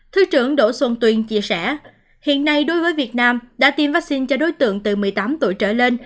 thứ trưởng đỗ xuân tuyên chia sẻ hiện nay đối với việt nam đã tiêm vaccine cho đối tượng từ một mươi tám tuổi trở lên